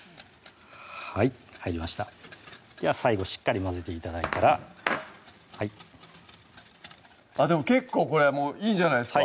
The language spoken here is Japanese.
はい入りましたでは最後しっかり混ぜて頂いたらあっでも結構これもういいんじゃないですか？